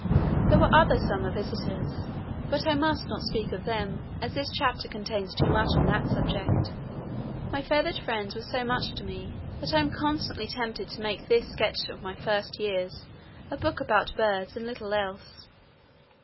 There were other summer visitors, but I must not speak of them as this chapter contains too much on that subject. My feathered friends were so much to me that I am constantly tempted to make this sketch of my first years a book about birds and little else.